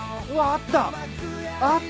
あった！